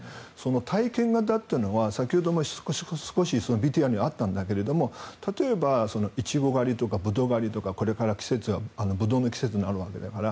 体験型というのは先ほども少しＶＴＲにあったんだけども例えば、イチゴ狩りとかブドウ狩りとかこれから季節がブドウの季節になるわけだから。